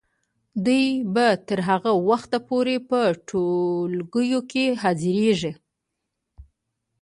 دوی به تر هغه وخته پورې په ټولګیو کې حاضریږي.